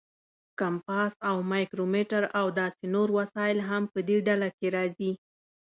کمپاس او مایکرومیټر او داسې نور وسایل هم په دې ډله کې راځي.